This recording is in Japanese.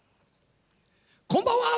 こんばんは！